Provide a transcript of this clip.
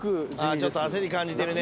ちょっと焦り感じてるね